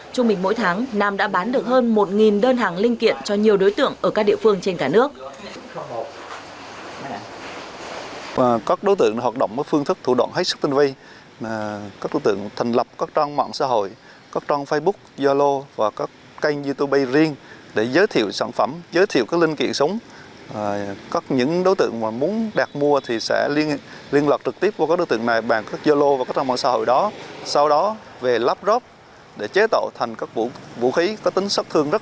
trung bình mỗi tháng nam đã bán được hơn một đơn hàng linh kiện cho nhiều đối tượng ở các địa phương trên cả nước